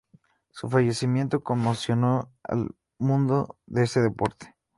Su fallecimiento conmocionó al mundo de este deporte.